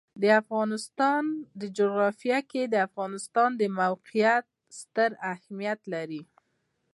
د افغانستان جغرافیه کې د افغانستان د موقعیت ستر اهمیت لري.